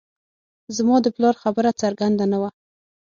زما د پلار خبره څرګنده نه وه